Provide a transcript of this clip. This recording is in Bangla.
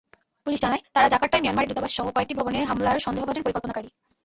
পুলিশ জানায়, তারা জাকার্তায় মিয়ানমারের দূতাবাসসহ কয়েকটি ভবনে হামলার সন্দেহভাজন পরিকল্পনাকারী।